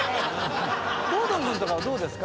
郷敦君はどうですか？